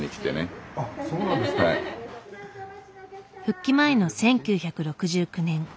復帰前の１９６９年。